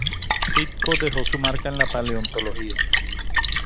Hitchcock dejó su marca en la paleontología.